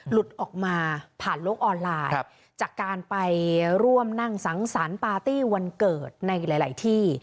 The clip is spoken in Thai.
หลุดออกมาผ่านโลกออนไลน์จากการไปร่วมนั่งสังสรรค์ปาร์ตี้วันเกิดในหลายที่